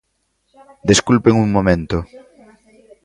Desculpen un momento.